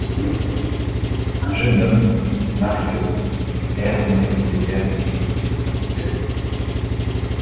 Un jeune homme, Mario, erre dans les rues désertes d'une ville, la nuit.